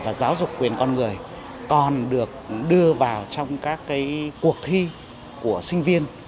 và giáo dục quyền con người còn được đưa vào trong các cuộc thi của sinh viên